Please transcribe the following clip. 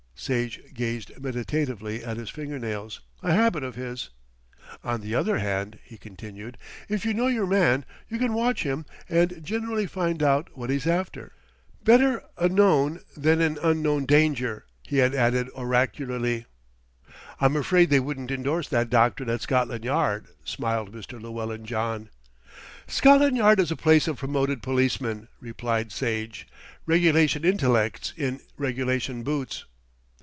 Sage gazed meditatively at his finger nails, a habit of his. "On the other hand," he continued, "if you know your man, you can watch him and generally find out what he's after. Better a known than an unknown danger," he had added oracularly. "I'm afraid they wouldn't endorse that doctrine at Scotland Yard," smiled Mr. Llewellyn John. "Scotland Yard is a place of promoted policemen," replied Sage, "regulation intellects in regulation boots."